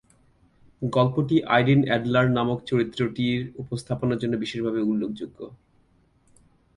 গল্পটি Irene Adler নামক চরিত্রটির উপস্থাপনার জন্য বিশেষভাবে উল্লেখযোগ্য।